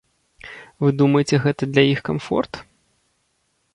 Вы думаеце гэта для іх камфорт?